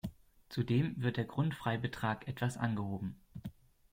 Zudem wird der Grundfreibetrag etwas angehoben.